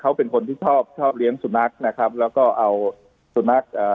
เขาเป็นคนที่ชอบชอบเลี้ยงสุนัขนะครับแล้วก็เอาสุนัขเอ่อ